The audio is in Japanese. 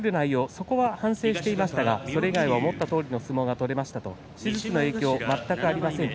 そこは反省していましたがそれ以外は思ったとおりの相撲が取れましたと手術の影響は全くありません。